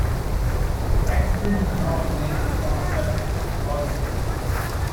Xprint is now available from a separate repository.